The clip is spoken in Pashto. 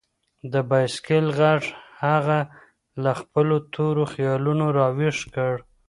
د بایسکل غږ هغه له خپلو تورو خیالونو راویښ کړ.